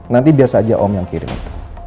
nanti biar saja om yang kirim itu